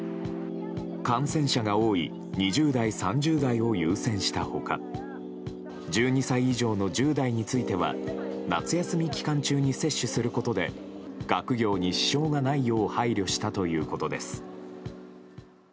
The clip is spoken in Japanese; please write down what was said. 感染者が多い２０代、３０代を優先した他１２歳以上の１０代については夏休み期間中に接種することで学業に支障がないよう配慮したということです。